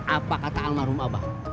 apa kata almarhum abah